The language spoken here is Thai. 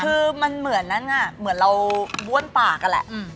คือมันเหมือนนั้นเหมือนเราบ้วนปากนั่นแหละ